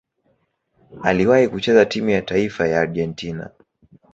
Aliwahi kucheza timu ya taifa ya Argentina.